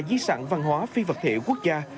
di sản văn hóa phi vật thể quốc gia